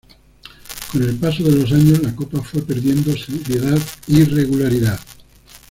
Con el paso de los años, la Copa fue perdiendo, seriedad y regularidad.